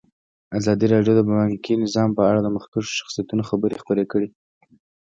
ازادي راډیو د بانکي نظام په اړه د مخکښو شخصیتونو خبرې خپرې کړي.